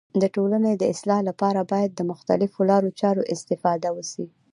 د ټولني د اصلاح لپاره باید د مختلیفو لارو چارو استفاده وسي.